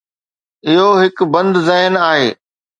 اهو هڪ بند ذهن آهي.